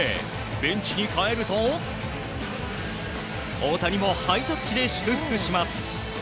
ベンチに帰ると大谷もハイタッチで祝福します。